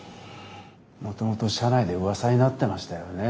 もともと社内でうわさになってましたよね。